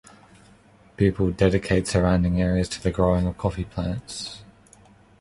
People dedicate surrounding areas to the growing of coffee plants.